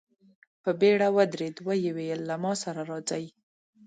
په بېړه ودرېد، ويې ويل: له ما سره راځئ!